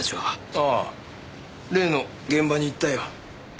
ああ例の現場に行ったよ。